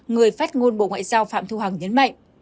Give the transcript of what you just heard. người phát ngôn bộ ngoại giao phạm thu hằng nhấn mạnh